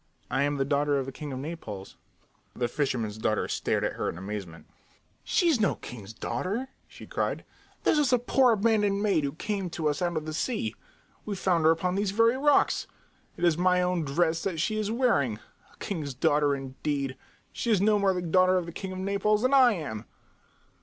"I am the daughter of the king of Naples," she said. The fisherman's daughter stared at her in amazement. "She is no king's daughter!" she cried. "She is a poor abandoned maid who came to us out of the sea. We found her upon these very rocks. It is my own dress that she is wearing. A king's daughter, indeed! She is no more the daughter of the king of Naples than I am!"